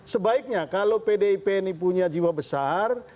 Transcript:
sebaiknya kalau pdip ini punya jiwa besar